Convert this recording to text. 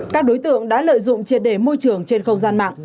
các đối tượng đã lợi dụng triệt đề môi trường trên không gian mạng